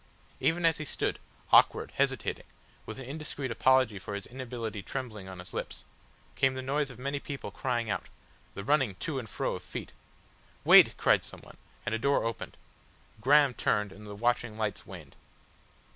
Even as he stood, awkward, hesitating, with an indiscreet apology for his inability trembling on his lips, came the noise of many people crying out, the running to and fro of feet. "Wait," cried someone, and a door opened. Graham turned, and the watching lights waned.